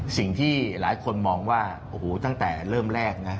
สิ่งที่หลายคนมองว่าโอ้โหตั้งแต่เริ่มแรกนะ